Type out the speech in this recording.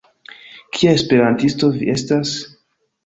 Kia Esperantisto vi estas?